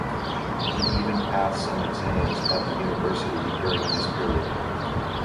He even passed some exams at the university during this period.